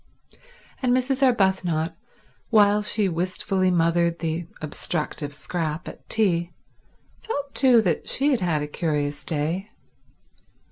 And Mrs. Arbuthnot, while she wistfully mothered the obstructive Scrap at tea, felt too that she had had a curious day.